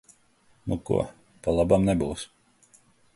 Nu ko, pa labam nebūs.